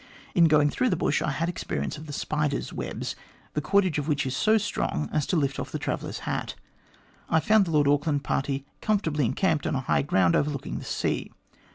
In going through the bush I had experience of the spiders' webs, the cordage of which is so strong as to lift off the traveller's hat. I found the Lord Auckland party comfortably encamped on a high ground overlooking the sea.